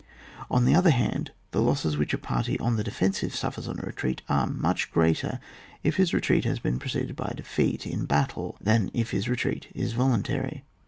On the other hand, the losses which a party on the defensive suffers on a retreat, are much greater if his retreat has been preceded by a defeat in battle than if his retreat is voluntary.